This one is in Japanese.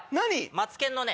マツケンのね